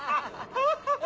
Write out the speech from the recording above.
ハハハハ！